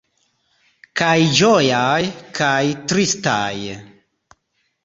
Kaj ĝojaj, kaj tristaj.